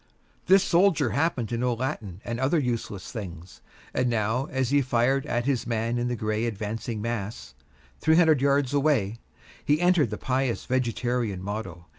This soldier happened to know Latin and other useless things, and now, as he fired at his man in the gray advancing mass three hundred yards away he uttered the pious vegetarian motto.